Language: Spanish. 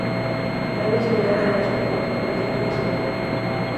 La hembra es similar al macho, pero la corona es de gris azulado.